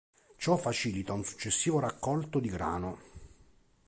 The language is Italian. Ciò facilita un successivo raccolto di grano.